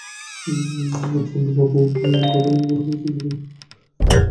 পূর্ণবাবু, আমার কথাগুলো ভালো করে চিন্তা করে দেখো।